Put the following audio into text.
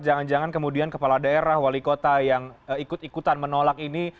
jangan jangan kemudian kepala daerah wali kota yang ikut ikutan menolak ini